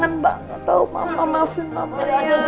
sama banget tau mama maafin mama